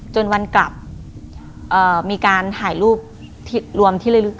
จนวันกลับมีการถ่ายรูปรวมที่ระลึก